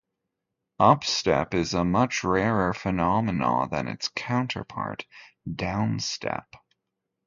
Upstep is a much rarer phenomenon than its counterpart, downstep.